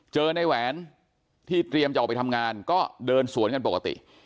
ในแหวนที่เตรียมจะออกไปทำงานก็เดินสวนกันปกติ